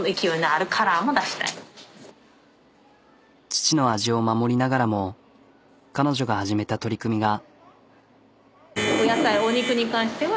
父の味を守りながらも彼女が始めた取り組みが。